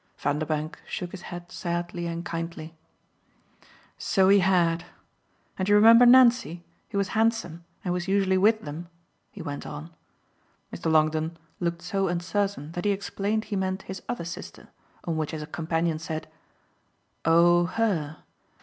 Vanderbank shook his head sadly and kindly. "So he had. And you remember Nancy, who was handsome and who was usually with them?" he went on. Mr. Longdon looked so uncertain that he explained he meant his other sister; on which his companion said: "Oh her?